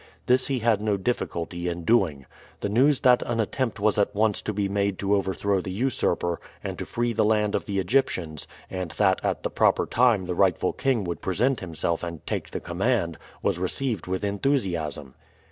This he had no difficulty in doing. The news that an attempt was at once to be made to overthrow the usurper and to free the land of the Egyptians, and that at the proper time the rightful king would present himself and take the command, was received with enthusiasm.